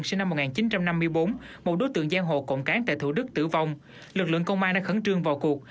sinh năm một nghìn chín trăm năm mươi bốn một đối tượng giang hồ cộng cán tại thủ đức tử vong lực lượng công an đã khẩn trương vào cuộc